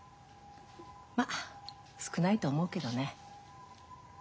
ま少ないと思うけどね。